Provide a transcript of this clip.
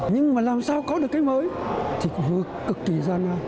nhưng mà làm sao có được cái mới thì cũng cực kỳ gian năng